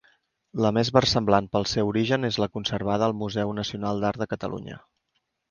La més versemblant pel seu origen és la conservada al Museu Nacional d'Art de Catalunya.